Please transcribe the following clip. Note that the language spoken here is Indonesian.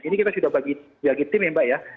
ini kita sudah bagi tim ya mbak ya